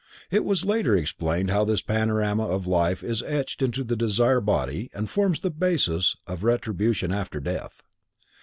It was later explained how this panorama of life is etched into the desire body and forms the basis of retribution after death.